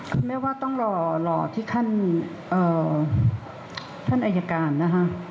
คุณแม่ว่าต้องรอที่ท่านอายการนะคะ